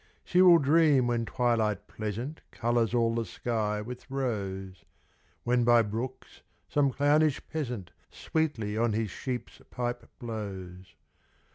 She will dream when twilight pleasant Colors all the sky with rose; When by brooks some clownish peasant Sweetly on his sheep's pipe blows.